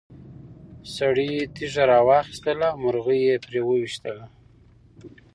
سړي تیږه راواخیسته او مرغۍ یې پرې وویشتله.